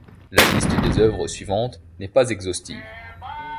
La liste des œuvres suivantes n'est pas exhaustive.